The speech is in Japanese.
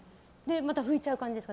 また拭いちゃう感じですか？